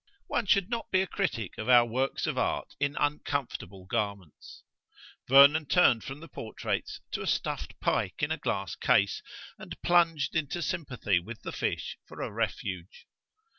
One should not be a critic of our works of Art in uncomfortable garments. Vernon turned from the portraits to a stuffed pike in a glass case, and plunged into sympathy with the fish for a refuge.